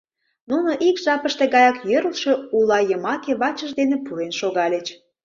Нуно ик жапыште гаяк йӧрлшӧ ула йымаке вачышт дене пурен шогальыч.